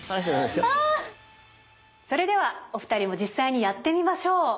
それではお二人も実際にやってみましょう！